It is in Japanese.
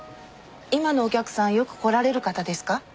今のお客さんよく来られる方ですか？